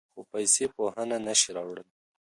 خو پیسې پوهه نه شي راوړلی.